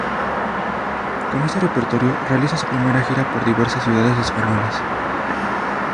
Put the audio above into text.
Con este repertorio realiza su primera gira por diversas ciudades españolas.